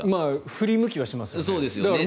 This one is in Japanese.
振り向きはしますよね。